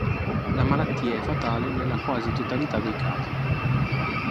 La malattia è fatale nella quasi totalità dei casi.